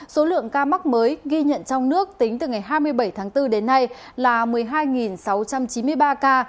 số lượng ca mắc mới ghi nhận trong nước tính từ ngày hai mươi bảy tháng bốn đến nay là một mươi hai sáu trăm chín mươi ba ca